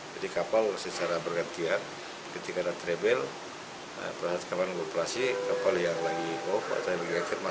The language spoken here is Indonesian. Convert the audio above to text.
jadi kapal secara bergantian ketika ada travel perhatikan kan beroperasi kapal yang lagi off